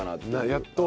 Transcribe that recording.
やっと。